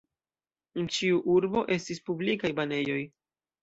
En ĉiu urbo estis publikaj banejoj.